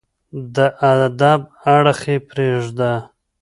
د ادب اړخ يې پرېږده